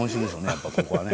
やっぱここはね。